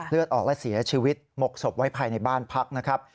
เลือดออกและเสียชีวิตหมกศพไว้ภายในบ้านพักนะครับ